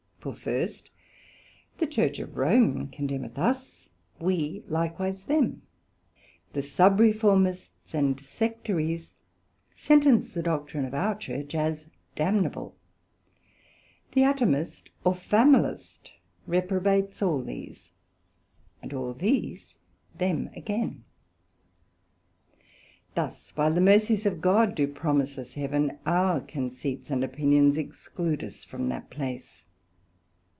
For first, the Church of Rome condemneth us, we likewise them; the Sub reformists and Sectaries sentence the Doctrine of our Church as damnable; the Atomist, or Familist, reprobates all these; and all these, them again. Thus whilst the Mercies of God do promise us Heaven, our conceits and opinions exclude us from that place.